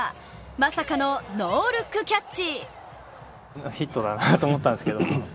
まさかのノールックキャッチ。